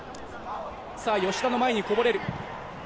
さあ、吉田の前にこぼれる。